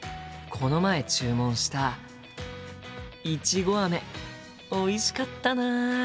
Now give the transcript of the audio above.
この前注文したいちごあめおいしかったな。